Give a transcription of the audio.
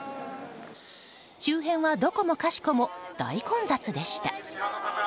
周辺はどこもかしこも大混雑でした。